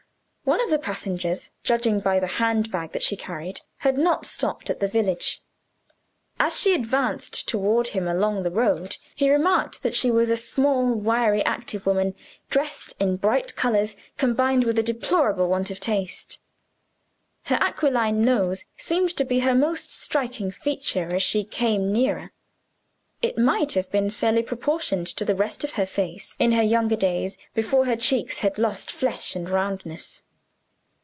One of the passengers (judging by the handbag that she carried) had not stopped at the village. As she advanced toward him along the road, he remarked that she was a small wiry active woman dressed in bright colors, combined with a deplorable want of taste. Her aquiline nose seemed to be her most striking feature as she came nearer. It might have been fairly proportioned to the rest of her face, in her younger days, before her cheeks had lost flesh and roundness.